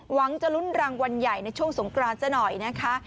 หวังจะลุ้นรางวัลใหญ่ในช่วงสงกรานซะหน่อยนะคะ